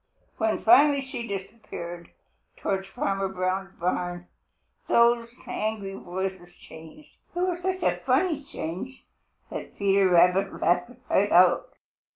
When finally she disappeared towards Farmer Brown's barn, those angry voices changed. It was such a funny change that Peter Rabbit laughed right out.